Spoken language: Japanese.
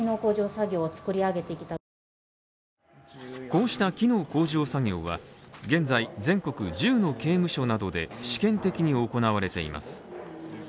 こうした機能向上作業は現在、全国１０の刑務所などで試験的に行われています。